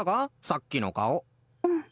さっきの顔うん